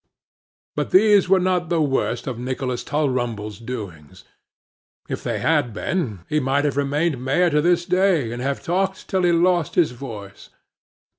But these were not the worst of Nicholas Tulrumble's doings. If they had been, he might have remained a Mayor to this day, and have talked till he lost his voice.